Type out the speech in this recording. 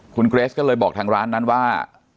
คุณเกรสก็เลยบอกทางร้านนั้นว่า